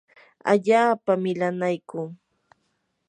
allaapa milanaykuu.